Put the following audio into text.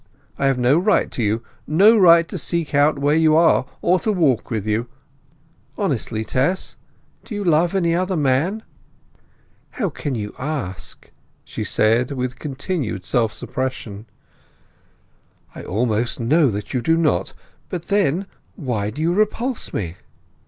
I have no right to you—no right to seek out where you are, or walk with you! Honestly, Tess, do you love any other man?" "How can you ask?" she said, with continued self suppression. "I almost know that you do not. But then, why do you repulse me?"